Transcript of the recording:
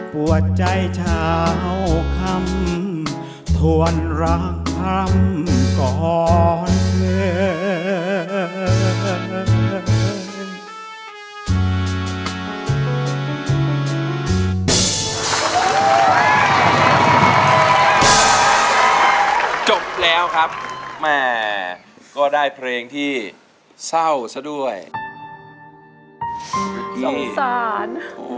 ปวดใจเฉาคำทวนรักคำก่อนเนิน